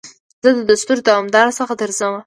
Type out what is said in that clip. زه دستورو دمدار څخه درځمه